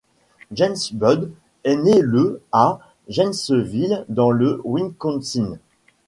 James Budd est né le à Janesville dans le Wisconsin.